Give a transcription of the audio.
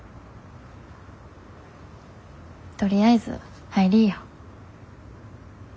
とりあえず入りぃよ。